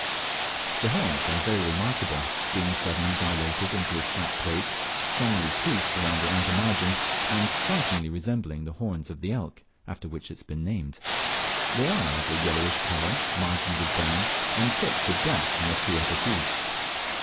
The horns are very remarkable, being suddenly dilated into a flat plate, strongly toothed round the outer margin, and strikingly resembling the horns of the elk, after which it has been named. They are of a yellowish colour, margined with brown, and tipped with black on the three upper teeth.